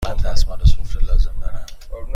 من دستمال سفره لازم دارم.